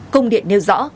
công điện nêu rõ